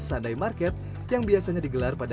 sunday market yang biasanya digelar pada